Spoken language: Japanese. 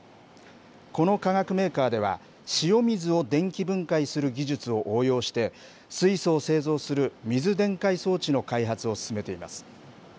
この化学メーカーでは、塩水を電気分解する技術を応用して、水素を製造する水電解装置の開発を進めています。